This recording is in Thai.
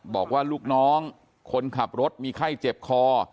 บอกว่าลูกน้องคนขับรถมีไข้เจ็บคอ